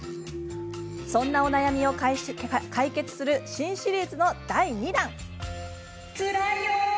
そんなお悩みを解決する新シリーズの第２弾。